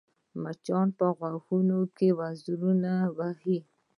مچان په غوږو کې وزر وهي